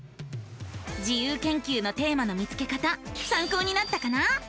自由研究のテーマの見つけ方さんこうになったかな？